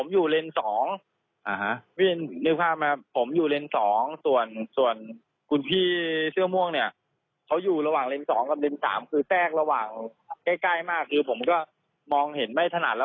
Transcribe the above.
อย่าไปตอบไปเถอะ